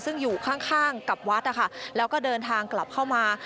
ซึ่งอยู่ข้างกับวัดนะคะแล้วก็เดินทางกลับเข้ามา